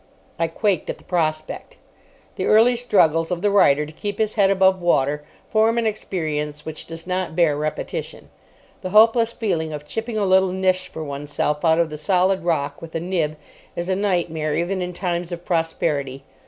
I quaked at the prospect. The early struggles of the writer to keep his head above water form an experience which does not bear repetition. The hopeless feeling of chipping a little niche for oneself out of the solid rock with a nib is a nightmare even in times of prosperity.